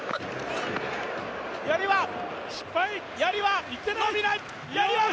やりは伸びない！